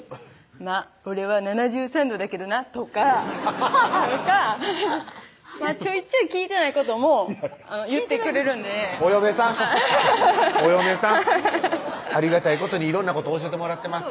「まっ俺は７３度だけどな」とかハハハッちょいちょい聞いてないことも言ってくれるんでお嫁さんお嫁さん「ありがたいことに色んなこと教えてもらってます」